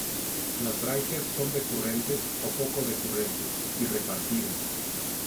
Las branquias son decurrentes o poco decurrentes, y repartidas.